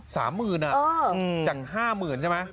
สามหมื่นอ่ะจากห้าหมื่นใช่ไหม